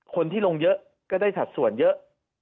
คนที่ลงเยอะก็ได้สัดส่วนเยอะ